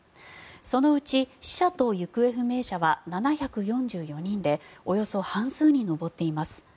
そのうち死者と行方不明者は７４４人でおよそ半数に上っています。